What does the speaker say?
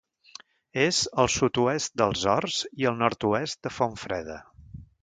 És al sud-oest dels Horts i al nord-oest de Fontfreda.